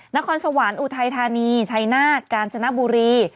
นครสวรรค์อุทัยธานีชัยนาฏกาญจนบุรี